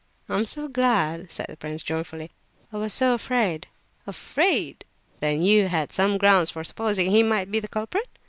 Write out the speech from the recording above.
"Oh, I'm so glad!" said the prince, joyfully. "I was so afraid." "Afraid! Then you had some grounds for supposing he might be the culprit?"